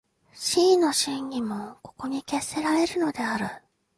思惟の真偽もここに決せられるのである。